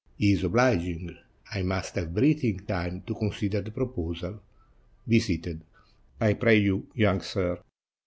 He is obliging; I must have breathing time to consider the proposal. Be seated, I pray you, young sir.